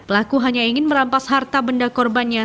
pelaku hanya ingin merampas harta benda korbannya